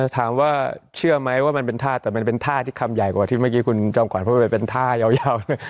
ถามว่าเชื่อไหมว่ามันเป็นท่าแต่มันเป็นท่าที่คำใหญ่กว่าที่เมื่อกี้คุณจอมขวัญพูดไปเป็นท่ายาวเลย